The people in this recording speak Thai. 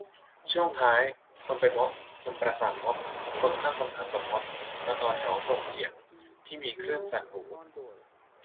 ช่วงท้าย คนไปม็อบ คนประสานม็อบ คนตั้งคำถามกับม็อบ มาต่อแถวส่งเสียง ที่มีคลื่นสั่นหู